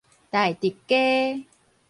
大直街